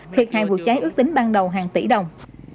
thiệt hại vụ cháy ước tính ban đầu hàng tỷ đồng